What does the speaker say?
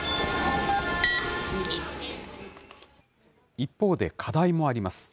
一方で課題もあります。